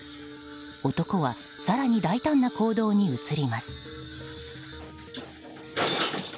男は更に大胆な行動に移ります。